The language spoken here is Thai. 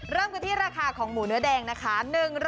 เริ่มกันที่ราคาของหมูเนื้อแดงนะคะ